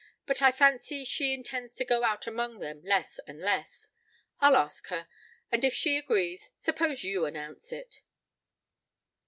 But I fancy she intends to go out among them less and less. I'll ask her, and if she agrees, suppose you announce it?"